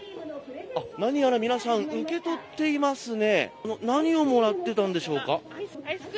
何やら皆さん受け取っていますね。